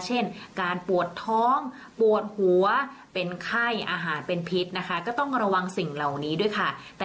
เช่นการปวดท้องปวดหัวเป็นไข้อาหารเป็นพิษนะคะก็ต้องระวังสิ่งเหล่านี้ด้วยค่ะ